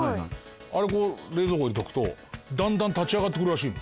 あれ冷蔵庫に入れておくとだんだん立ち上がってくるらしいの。